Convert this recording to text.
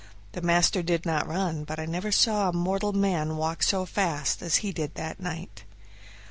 The master did not run, but I never saw mortal man walk so fast as he did that night.